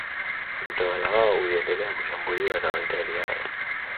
utawala wao uliendelea kushambuliwa na Waitaliano